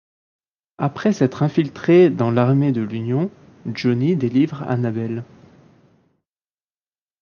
Après s'être infiltré dans l'armée de l'Union, Johnnie délivre Annabelle.